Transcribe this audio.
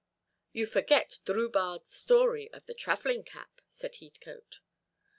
"You forget Drubarde's story of the travelling cap," said Heathcote.